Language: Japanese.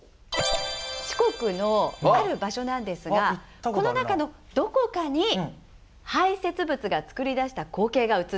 四国のある場所なんですがこの中のどこかに排せつ物が作り出した光景が写っています。